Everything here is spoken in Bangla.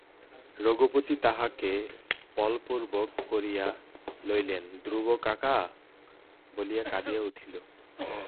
রঘুপতি তাহাকে বলপূর্বক কড়িয়া লইলেন ধ্রুব কাকা বলিয়া কাঁদিয়া উঠিল।